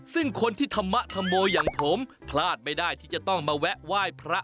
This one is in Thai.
ซึ่งคนที่ธรรมธรรโมอย่างผมพลาดไม่ได้ที่จะต้องมาแวะไหว้พระ